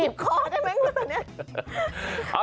คอได้ไหมล่ะตอนนี้